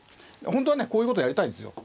本当はねこういうことやりたいんですよ。